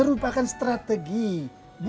iya seperti itu